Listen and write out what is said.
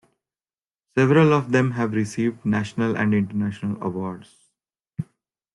Several of them have received national and international awards.